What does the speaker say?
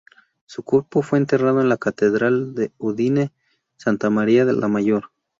Su cuerpo fue enterrado en la catedral de Udine, Santa María la Mayor.